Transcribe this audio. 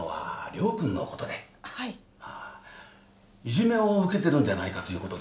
いじめを受けてるんじゃないかということですが。